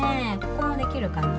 ここもできるかな？